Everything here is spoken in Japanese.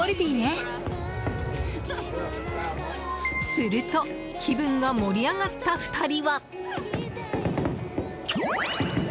すると気分が盛り上がった２人は。